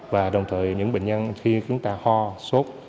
và đồng thời những bệnh nhân khi chúng ta ho sốt